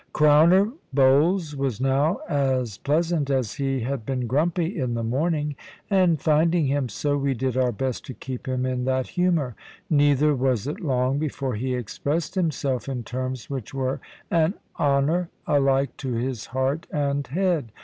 Crowner Bowles was now as pleasant as he had been grumpy in the morning; and finding him so, we did our best to keep him in that humour. Neither was it long before he expressed himself in terms which were an honour alike to his heart and head.